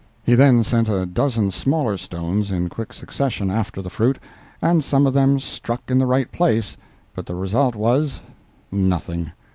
He then sent a dozen smaller stones in quick succession after the fruit, and some of them struck in the right place, but the result was—nothing.